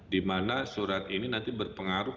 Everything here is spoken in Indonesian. di mana surat ini nanti berpengaruh